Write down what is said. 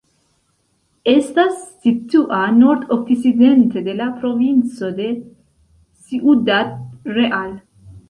Estas situa nordokcidente de la provinco de Ciudad Real.